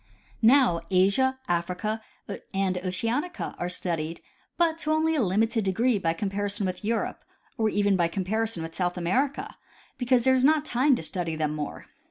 Now Asia, Africa and Oceanica are studied, but to only a limited degree by comparison with Europe or even by compari son with South America, because there is not time to study them more.